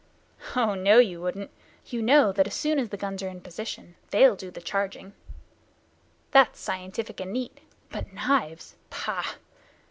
"Oh, no, you wouldn't. You know that as soon as the guns are in position they'll do all the charging. That's scientific and neat. But knives pah!"